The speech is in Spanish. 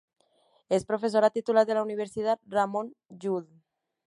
Es profesora titular de la Universidad Ramon Llull.